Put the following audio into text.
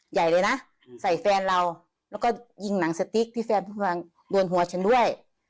ใหญ่เลยนะใส่แฟนเราแล้วก็ยิงหนังสติ๊กที่แฟนโดนหัวฉันด้วย